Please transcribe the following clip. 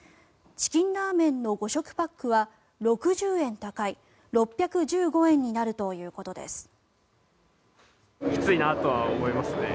チキンラーメンの５食パックは６０円高い６１５円になるということです。